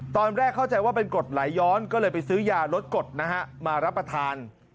ตอนแรกเข้าใจว่าเป็นกรดไหลย้อนก็เลยไปซื้อยารสกดนะฮะมารับประทาน